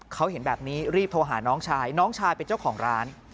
เขาเห็นแบบนี้รีบโทรหาน้องชายน้องชายเป็นเจ้าของร้าน